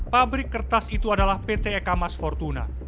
pabrik kertas itu adalah pt eka mas fortuna